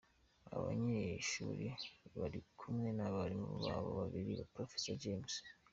Aba banyeshuri bari kumwe n’abarimu ba bo babiri, Prof James G.